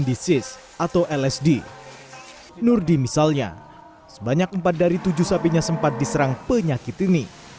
disease atau lsd nurdi misalnya sebanyak empat dari tujuh sapinya sempat diserang penyakit ini